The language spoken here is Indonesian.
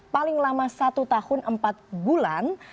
paling lama satu tahun empat bulan